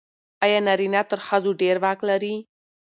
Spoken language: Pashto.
آیا نارینه تر ښځو ډېر واک لري؟